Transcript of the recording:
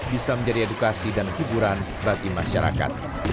bisa menjadi edukasi dan hiburan bagi masyarakat